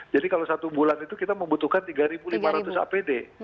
jadi kalau satu bulan itu kita membutuhkan tiga ribu lima ratus apd